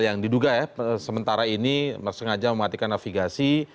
yang diduga ya sementara ini sengaja mematikan navigasi